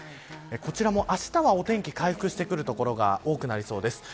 こちらも、あしたはお天気回復してくる所が多くなりそうです。